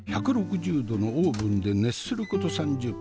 １６０度のオーブンで熱すること３０分。